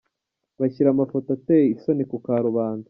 Bashyira amafoto ateye isoni kuka rubanda.